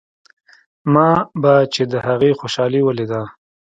ما به چې د هغې خوشالي وليده.